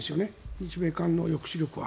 日米韓の抑止力は。